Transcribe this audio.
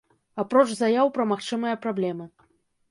Апроч заяў пра магчымыя праблемы.